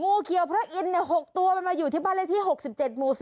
งูเขียวพระอิน๖ตัวมันมาอยู่ที่บรรยาที่๖๗หมู่๑๐